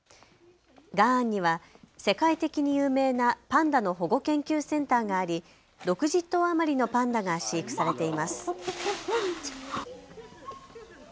雅安には世界的に有名なパンダの保護研究センターがあり６０頭余りのパンダが飼育されています。